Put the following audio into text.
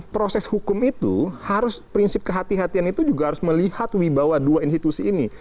proses hukum itu harus prinsip kehatian kehatian itu juga harus melihat wibawa dua institusi ini